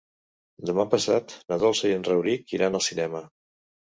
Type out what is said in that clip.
Demà passat na Dolça i en Rauric iran al cinema.